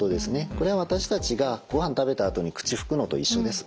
これは私たちがごはん食べたあとに口拭くのと一緒です。